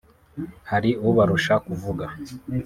hari ubarusha kuvuga